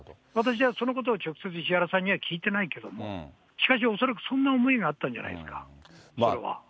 私はそのことを直接石原さんには聞いてないけれども、しかし恐らくそんな思いがあったんじゃないですか、それは。